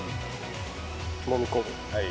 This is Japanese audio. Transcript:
もみ込む。